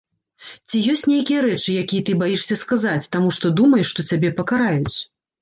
Ці ёсць нейкія рэчы, якія ты баішся сказаць, таму што думаеш, што цябе пакараюць?